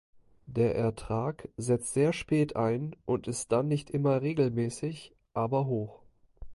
Der Ertrag setzt sehr spät ein und ist dann nicht immer regelmäßig, aber hoch.